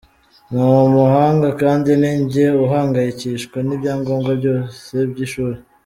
Ni umuhanga kandi ni njye uhangayikishwa n’ibyangombwa byose by’ishuri.